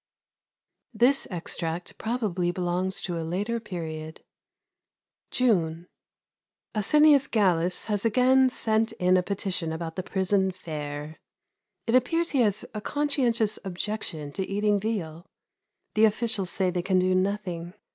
(This extract probably belongs to a later period) June. Asinius Gallus has again sent in a petition about the prison fare. It appears he has a conscientious objection to eating veal. The officials say they can do nothing.